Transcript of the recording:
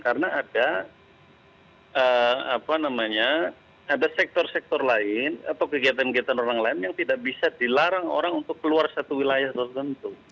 karena ada sektor sektor lain atau kegiatan kegiatan orang lain yang tidak bisa dilarang orang untuk keluar satu wilayah tertentu